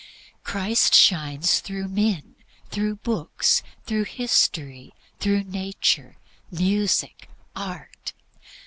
Christ shines through men, through books, through history, through nature, music, art.